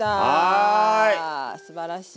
すばらしい。